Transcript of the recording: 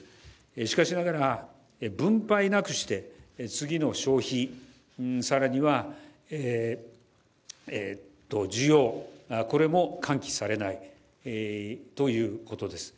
しかしながら、分配なくして次の消費、更には需要これも喚起されないということです。